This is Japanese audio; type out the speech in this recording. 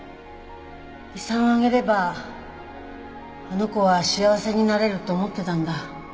遺産をあげればあの子は幸せになれると思ってたんだ。